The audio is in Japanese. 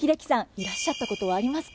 いらっしゃったことはありますか？